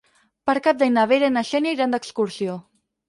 Per Cap d'Any na Vera i na Xènia iran d'excursió.